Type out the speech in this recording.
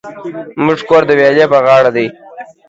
زموژ کور د ویالی په غاړه دی